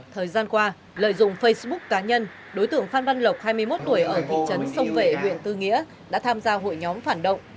thời gian qua lợi dụng facebook cá nhân đối tượng phan văn lộc hai mươi một tuổi ở thị trấn sông vệ huyện tư nghĩa đã tham gia hội nhóm phản động